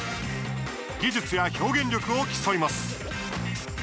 技術や表現力を競います。